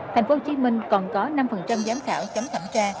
tp hcm còn có năm giám khảo chấm thẩm tra